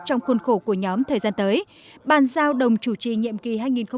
trong khuôn khổ của nhóm thời gian tới bàn giao đồng chủ trì nhiệm kỳ hai nghìn một mươi sáu hai nghìn hai mươi năm